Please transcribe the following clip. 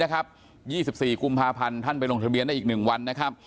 ๒๔กุมภาพันธ์ท่านไปลงทะเบียนได้อีก๑วันนะครับ